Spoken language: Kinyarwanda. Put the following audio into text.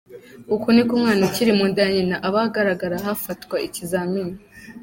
Uku niko umwana ukiri mu nda ya nyina aba agaragara hafatwa ikizamini.